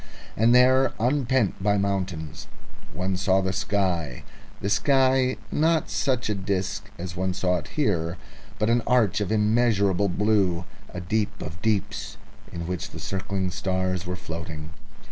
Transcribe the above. And there, unpent by mountains, one saw the sky the sky, not such a disc as one saw it here, but an arch of immeasurable blue, a deep of deeps in which the circling stars were floating...